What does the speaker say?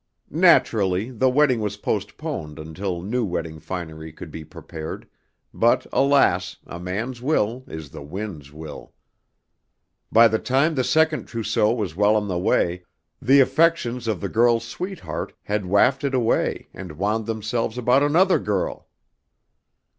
Naturally, the wedding was postponed until new wedding finery could be prepared, but alas! A man's will is the wind's will! By the time the second trousseau was well on the way, the affections of the girl's sweetheart had wafted away and wound themselves about another girl.